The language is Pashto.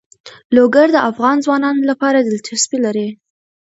لوگر د افغان ځوانانو لپاره دلچسپي لري.